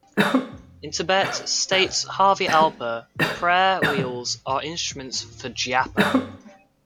In Tibet, states Harvey Alper, the prayer wheels are instruments for "japa".